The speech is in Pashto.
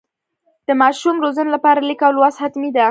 د ماشوم روزنې لپاره لیک او لوست حتمي ده.